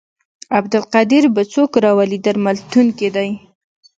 عبدالقدیر به څوک راولي درملتون کې دی.